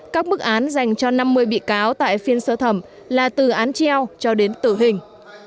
các mức án dành cho năm mươi bị cáo tại phiên sơ thẩm là từ án treo cho đến tử hình